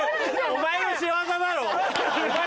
お前の仕業だな。